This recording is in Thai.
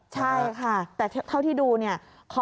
ใช่ค่ะแต่เท่าที่ดูเนี่ย